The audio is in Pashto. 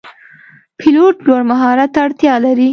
پیلوټ لوړ مهارت ته اړتیا لري.